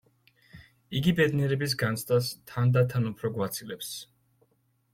იგი ბედნიერების განცდას თანდათან უფრო გვაცილებს.